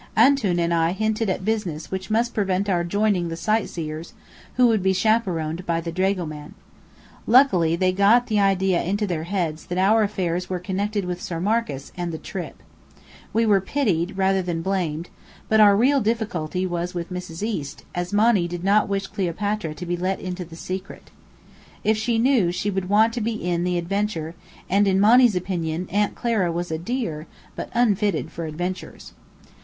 "Antoun" and I hinted at business which must prevent our joining the sightseers, who would be chaperoned by the dragoman. Luckily, they got the idea into their heads that our affairs were connected with Sir Marcus, and the "trip." We were pitied, rather than blamed, but our real difficulty was with Mrs. East, as Monny did not wish Cleopatra to be let into the secret. If she knew, she would want to be in the adventure, and in Monny's opinion, Aunt Clara was a dear, but unfitted for adventures.